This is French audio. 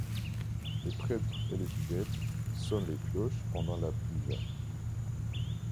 Les prêtres et les fidèles sonnent les cloches pendant la puja.